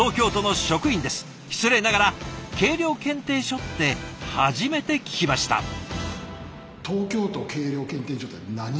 失礼ながら「計量検定所」って初めて聞きました。え？